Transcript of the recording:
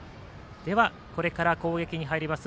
ではこれから攻撃に入ります